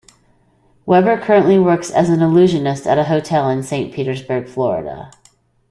Weber currently works as an illusionist at a hotel in Saint Petersburg, Florida.